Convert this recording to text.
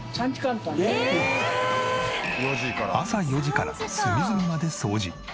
朝４時から隅々まで掃除。